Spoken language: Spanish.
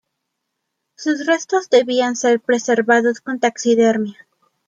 Sus restos debían ser preservados con taxidermia.